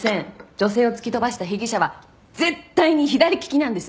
女性を突き飛ばした被疑者は絶対に左利きなんです！